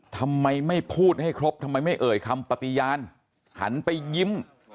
ทำไมไม่พูดให้ครบทำไมไม่เอ่ยคำปฏิญาณหันไปยิ้ม